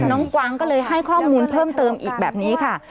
กวางก็เลยให้ข้อมูลเพิ่มเติมอีกแบบนี้ค่ะ